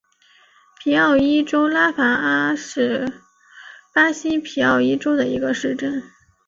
皮奥伊州拉戈阿是巴西皮奥伊州的一个市镇。